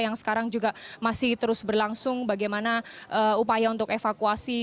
yang sekarang juga masih terus berlangsung bagaimana upaya untuk evakuasi